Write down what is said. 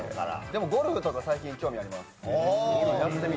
ゴルフとか最近興味あります。